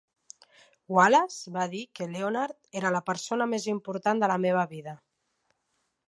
Wallace va dir que Leonard era la persona més important de la meva vida.